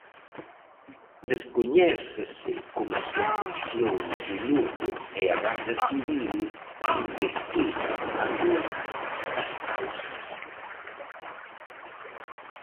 Descoñécese como se iniciou o lume e a Garda Civil investiga agora as causas.